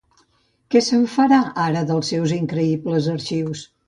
¿Què se'n farà ara, dels seus increïbles arxius?